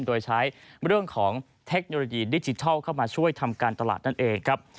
โดยใช้เรื่องของเทคโนโลยีดิจิทัลเข้ามาช่วยทำการตลาดนั่นเองครับ